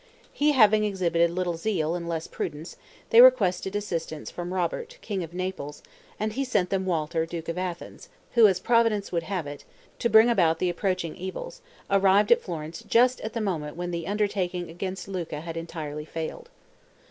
He having exhibited little zeal and less prudence, they requested assistance from Robert king of Naples, and he sent them Walter duke of Athens, who, as Providence would have it, to bring about the approaching evils, arrived at Florence just at the moment when the undertaking against Lucca had entirely failed.